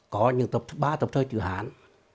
có những tập thứ ba tập thứ hai chữ hán